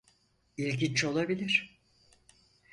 İlginç olabilir.